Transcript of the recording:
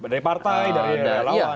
dari partai dari lawan dan sebagainya